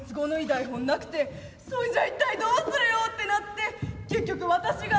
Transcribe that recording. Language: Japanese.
台本なくてそれじゃ一体どうするよってなって結局私が。